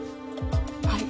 はい。